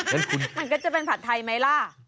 มันก็จะเป็นผัดไทยไหมล่ะ